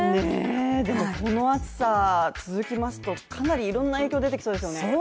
でもこの暑さ、続きますとかなりいろんな影響が出てきそうですよね。